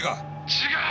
「違う！！